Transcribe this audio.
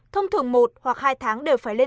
thông thường một hoặc hai tháng đều phải lên